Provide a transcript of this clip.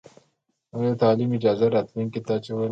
هغوی د تعلیم اجازه راتلونکې ته اچوله.